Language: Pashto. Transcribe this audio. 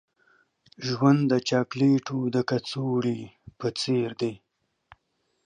ژوند د چاکلیټو د کڅوړې په څیر دی.